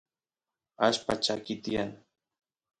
allpa chakiy tiyan